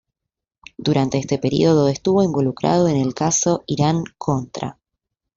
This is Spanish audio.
Durante este periodo estuvo involucrado en el caso Irán-Contra.